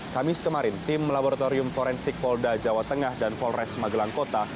kamis kemarin tim laboratorium forensik polda jawa tengah dan polres magelang kota